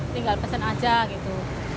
tinggal pesan aja gitu